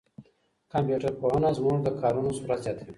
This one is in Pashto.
کمپيوټر پوهنه زموږ د کارونو سرعت زیاتوي.